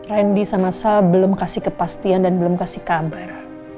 randy samasa belum kasih kepastian dan belum kasih kabar